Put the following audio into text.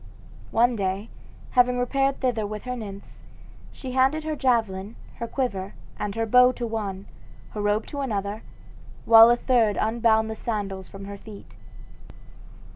One day, having repaired thither with her nymphs, she handed her javelin, her quiver, and her bow to one, her robe to another, while a third unbound the sandals from her feet.